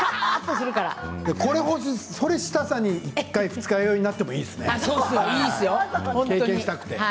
それ欲しさに二日酔いになってもいいですね。